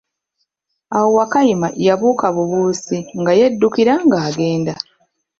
Awo Wakayima yabuuka bubuusi nga yedukira nga agenda.